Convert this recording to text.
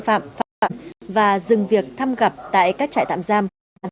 phạm phạm và dừng việc thăm gặp tại các trại tạm giam